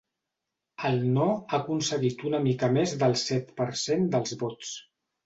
El no ha aconseguit una mica més del set per cent dels vots.